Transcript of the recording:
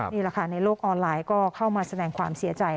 นี่แหละค่ะในโลกออนไลน์ก็เข้ามาแสดงความเสียใจ